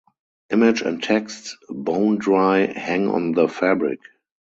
Image and text, bone-dry, hang on the fabric.